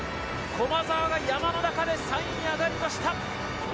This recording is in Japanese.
駒澤が山の中で３位に上がりました。